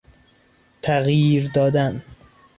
تغییر دادن